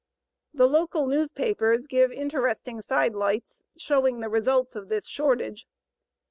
The local newspapers give interesting side lights showing the results of this shortage.